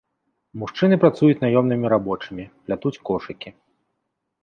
Мужчыны працуюць наёмнымі рабочымі, плятуць кошыкі.